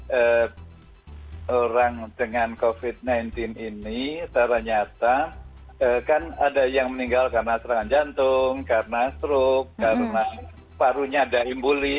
karena orang dengan covid sembilan belas ini ternyata kan ada yang meninggal karena serangan jantung karena stroke karena parunya ada imbuli